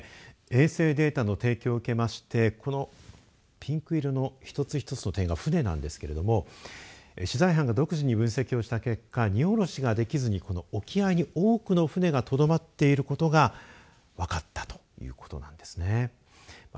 衛星データの提供を受けましてこのピンク色の一つ一つの点が船なんですけれども取材班が独自に分析した結果、荷降ろしができずにこの沖合に多くの船がとどまっていることが分かったということなんですね。